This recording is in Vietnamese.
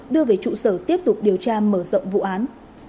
đưa về trụ sở tiếp tục điều tra mở rộng vụ án